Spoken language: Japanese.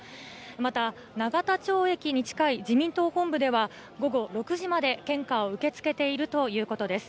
また、永田町駅に近い自民党本部では、午後６時まで献花を受け付けているということです。